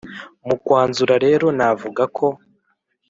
Mu kwanzura rero navuga ko